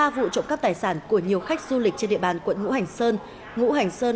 một mươi ba vụ trộm cắp tài sản của nhiều khách du lịch trên địa bàn quận ngũ hành sơn